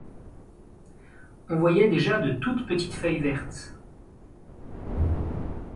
On voyait déjà de toutes petites feuilles vertes.